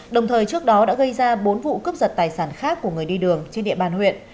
đồng thời trước đó đã gây ra bốn vụ cướp giật tài sản khác của người đi đường trên địa bàn huyện